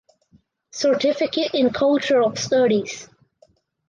Certificate in Cultural Studies.